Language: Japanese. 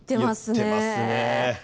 いってますね。